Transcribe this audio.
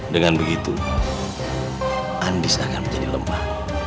dengan begitu andis akan menjadi lemah